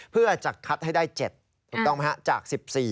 เพื่อจะคัดให้ได้๗จาก๑๔